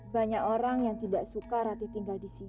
banyak orang yang tidak suka rati tinggal di sini